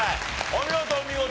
お見事お見事！